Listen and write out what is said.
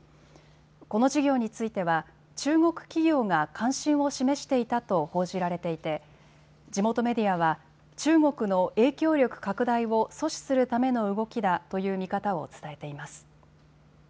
この事業については中国企業が関心を示していたと報じられていて地元メディアは中国の影響力拡大を阻止するための動きだという見方を伝えています。